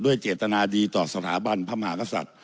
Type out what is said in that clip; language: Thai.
เจตนาดีต่อสถาบันพระมหากษัตริย์